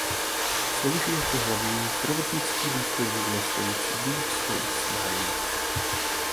Slouží jako hlavní zdravotnický důstojník na stanici Deep Space Nine.